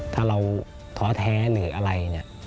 ถ้าเราท้อแท้หรืออะไร